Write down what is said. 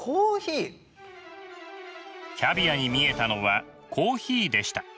キャビアに見えたのはコーヒーでした。